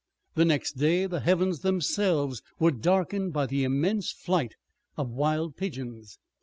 The next day the heavens themselves were darkened by an immense flight of wild pigeons.